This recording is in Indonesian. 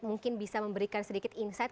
mungkin bisa memberikan sedikit insight